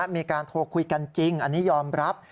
มีการโทรคุยกันจริงอันนี้ยอมรับ